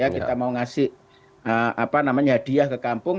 kita mau ngasih hadiah ke kampung